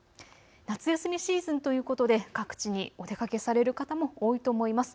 夏休みシーズンということで各地にお出かけされる方も多いと思います。